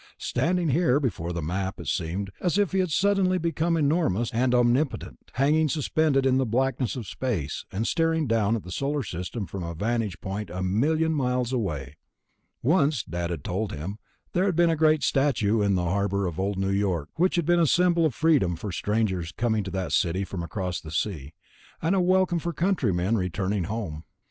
Standing here before the Map it seemed as if he had suddenly become enormous and omnipotent, hanging suspended in the blackness of space and staring down at the Solar System from a vantage point a million miles away. Once, Dad had told him, there had been a great statue in the harbor of Old New York which had been a symbol of freedom for strangers coming to that city from across the sea, and a welcome for countrymen returning home.